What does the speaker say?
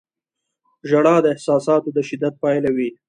• ژړا د احساساتو د شدت پایله وي.